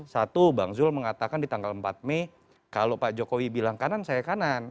satu bang zul mengatakan di tanggal empat mei kalau pak jokowi bilang kanan saya kanan